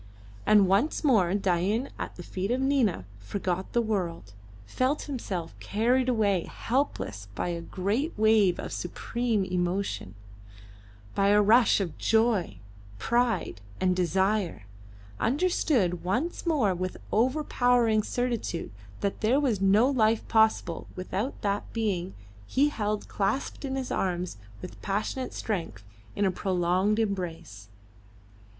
And once more Dain, at the feet of Nina, forgot the world, felt himself carried away helpless by a great wave of supreme emotion, by a rush of joy, pride, and desire; understood once more with overpowering certitude that there was no life possible without that being he held clasped in his arms with passionate strength in a prolonged embrace.